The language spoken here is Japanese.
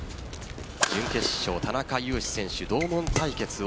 準決勝・田中湧士選手同門対決を